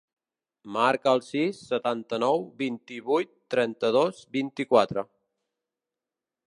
Marca el sis, setanta-nou, vint-i-vuit, trenta-dos, vint-i-quatre.